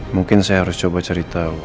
mungkin saya harus coba cari tahu